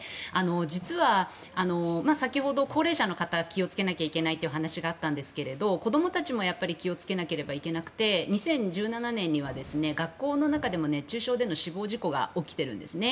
実は、先ほど、高齢者の方気をつけなきゃいけないという話があったんですが子どもたちも気をつけなければいけなくて２０１７年には学校の中でも熱中症での死亡事故が起きているんですね。